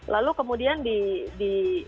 lalu kemudian di